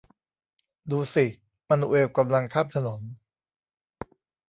ดูสิ มานูเอลกำลังข้ามถนน